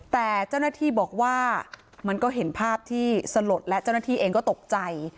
แต่เจ้าหน้าที่บอกว่ามันก็เห็นภาพที่สลดและเจ้าหน้าที่เองก็ตกใจ